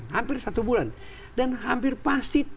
hampir satu bulan dan hampir pasti